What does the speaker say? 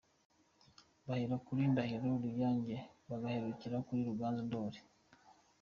Bahera kuri Ndahiro Ruyange, bagaherukira kuri Ruganzu Ndoli.